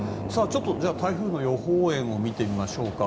台風の予報円を見てみましょうか。